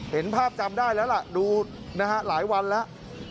เห็นภาพจำได้แล้วล่ะดูนะฮะหลายวันแล้ว